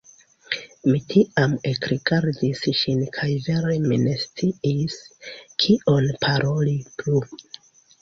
Mi tiam ekrigardis ŝin kaj vere mi ne sciis, kion paroli plu.